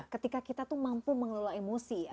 ketika kita tuh mampu mengelola emosi ya